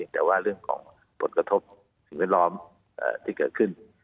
แต่ว่าเรื่องของผลกระทบสิ่งแวดล้อมที่เกิดขึ้น